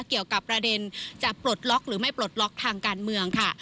เกี่ยวกับประเด็นจะปลดล็อกหรือไม่ปลดล็อกทางการเมืองค่ะ